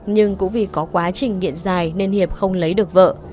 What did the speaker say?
nhưng cũng vì có quá trình nghiện dài nên hiệp không lấy được vợ